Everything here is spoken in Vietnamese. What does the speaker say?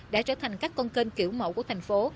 đã trở thành các con kênh kiểu mẫu của thành phố